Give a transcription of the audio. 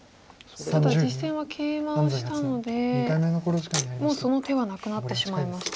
ただ実戦はケイマをしたのでもうその手はなくなってしまいました。